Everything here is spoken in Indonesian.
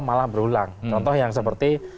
malah berulang contoh yang seperti